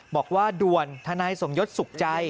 บอกว่าด่วนทนายสมยศสุขใจ